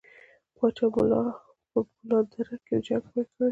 پاچا ملا په مالان دره کې جنګ پیل کړي.